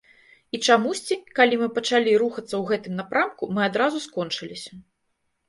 І чамусьці, калі мы пачалі рухацца ў гэтым напрамку, мы адразу скончыліся.